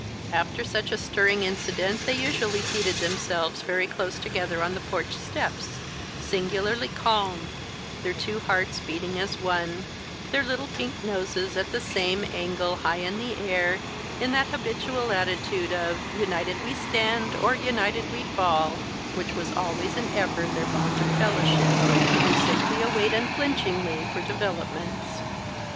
After such a stirring incident they usually seated themselves very close together on the porch steps, singularly calm, their two hearts beating as one, their little pink noses at the same angle high in the air, in that habitual attitude of "united we stand or united we fall" which was always and ever their bond of fellowship, and simply await unflinchingly for developments.